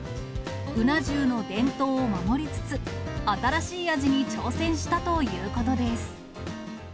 うな重の伝統を守りつつ、新しい味に挑戦したということです。